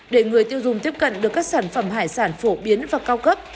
để người tiêu dùng tiếp cận được các sản phẩm hải sản phổ biến và cao cấp